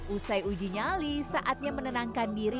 usai uji nyali saatnya menenangkan diri